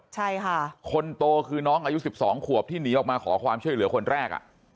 ใช่ค่ะคนโตคือน้องอายุ๑๒ขวบที่หนีออกมาขอความช่วยเหลือคนแรก